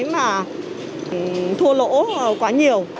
chứ là thua lỗ quá nhiều